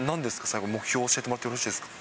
最後、目標教えてもらっていいですか。